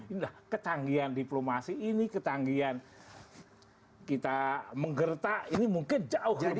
ini lah kecanggihan diplomasi ini kecanggihan kita menggerta ini mungkin jauh lebih penting